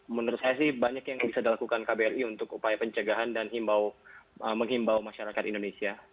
menurut saya sih banyak yang bisa dilakukan kbri untuk upaya pencegahan dan menghimbau masyarakat indonesia